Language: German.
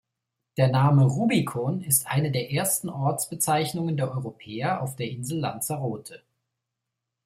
Der Name "Rubicón" ist eine der ersten Ortsbezeichnungen der Europäer auf der Insel Lanzarote.